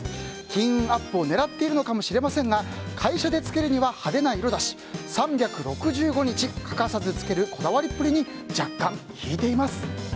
金運アップを狙っているのかもしれませんが会社でつけるには派手な色だし３６５日欠かさずつけるこだわりっぷりに若干引いています。